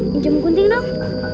duka pinjem kunting dong